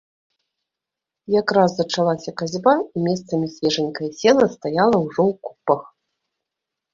Якраз зачалася касьба, і месцамі свежанькае сена стаяла ўжо ў копах.